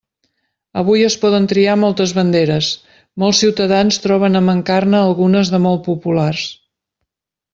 Avui es poden triar moltes banderes, molts ciutadans troben a mancar-ne algunes de molt populars.